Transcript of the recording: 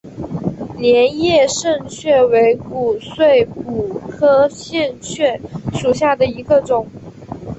镰叶肾蕨为骨碎补科肾蕨属下的一个种。